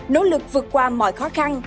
nỗ lực vượt qua mọi khó khăn